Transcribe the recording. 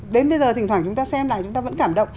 đến bây giờ thỉnh thoảng chúng ta xem là chúng ta vẫn cảm động